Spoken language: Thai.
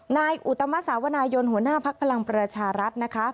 นายอุตมสาวนายนหัวหน้าภักดิ์พลังประชารัฐนะคะ